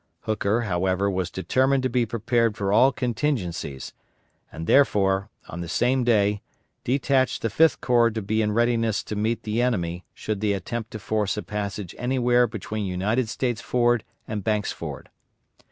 Hooker, however, was determined to be prepared for all contingencies, and therefore, on the same day, detached the Fifth Corps to be in readiness to meet the enemy should they attempt to force a passage anywhere between United States Ford and Banks' Ford.